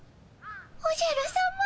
おじゃるさま。